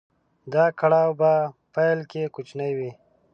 دا کړاو په پيل کې کوچنی وي.